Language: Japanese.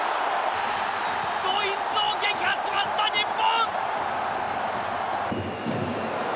ドイツを撃破しました、日本！